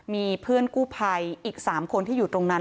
มีเพื่อนกู้ภัยอีก๓คนที่อยู่ตรงนั้น